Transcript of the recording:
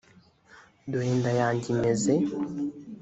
dore inda yanjye imeze